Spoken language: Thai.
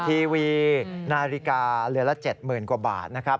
ทีวีนาฬิกาเหลือละ๗๐๐กว่าบาทนะครับ